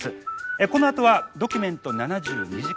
このあとは「ドキュメント７２時間」